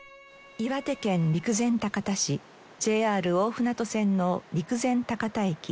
岩手県陸前高田市ＪＲ大船渡線の陸前高田駅。